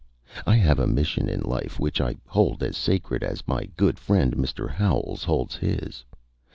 I have a mission in life which I hold as sacred as my good friend Mr. Howells holds his.